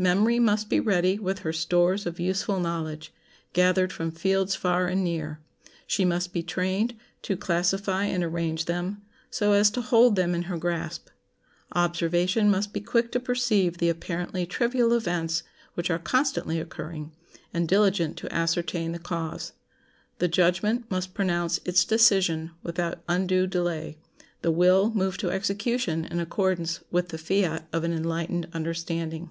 Memory must be ready with her stores of useful knowledge, gathered from fields far and near. She must be trained to classify and arrange them, so as to hold them in her grasp. Observation must be quick to perceive the apparently trivial events which are constantly occurring, and diligent to ascertain the cause. The judgment must pronounce its decision without undue delay; the will move to execution in accordance with the fiat of an enlightened understanding.